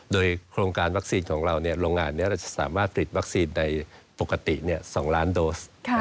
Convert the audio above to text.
โดยโครงการวัคซีนของเราโรงงานนี้เราจะสามารถติดวัคซีนในปกติ๒ล้านโดส